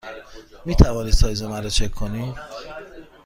می توانید سایز مرا چک کنید؟